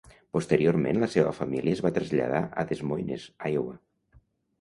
Posteriorment la seva família es va traslladar a Des Moines, Iowa.